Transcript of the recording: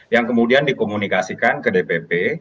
yang kemudian dikomunikasikan ke dpp